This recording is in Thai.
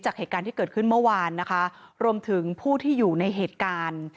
เหตุการณ์ที่เกิดขึ้นเมื่อวานนะคะรวมถึงผู้ที่อยู่ในเหตุการณ์